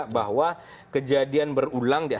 bahwa kejadian berulang di aspek